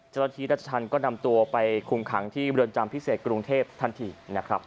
เจ้าตัวที่รัชธันต์ก็นำตัวไปคุมค้างที่บริษัทพิเศษกรุงเทพฯทันทีนะครับ